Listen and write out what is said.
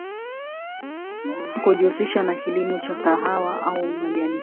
kijihusisha na kilimo cha kahawa au majani chai